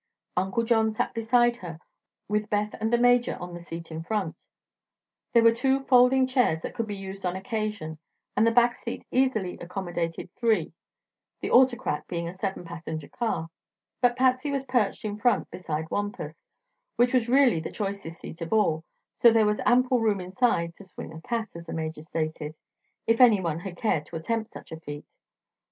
Uncle John sat beside her, with Beth and the Major on the seat on front. There were two folding chairs that could be used on occasion, and the back seat easily accommodated three, the "Autocrat" being a seven passenger car; but Patsy was perched in front beside Wampus, which was really the choicest seat of all, so there was ample room inside to "swing a cat," as the Major stated if anyone had cared to attempt such a feat.